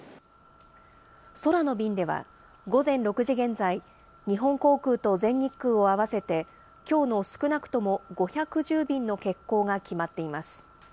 空の便では、午前６時現在、日本航空と全日空を合わせて、きょうの少なくとも５１０便の欠航が決まっています。